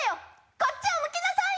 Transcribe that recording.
こっちを向きなさいよ！